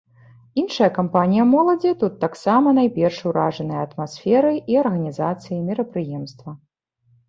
Іншая кампанія моладзі тут таксама найперш уражаная атмасферай і арганізацыяй мерапрыемства.